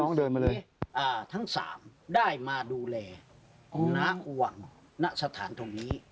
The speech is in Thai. ก็ให้ฤสีทั้งสามได้มาดูแลณอวังณสถานตรงนี้